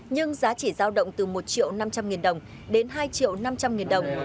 nhưng giá chỉ giao động từ một triệu năm trăm linh nghìn đồng đến hai triệu năm trăm linh nghìn đồng